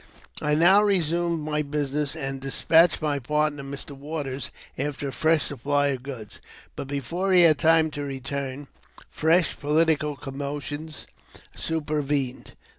I now resumed my business, and despatched my partner, Mr. Waters, after a fresh supply of goods ; but, before he had time to return, fresh political commotions supervened.